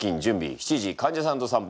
７時患者さんと散歩。